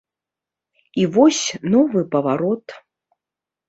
І вось новы паварот.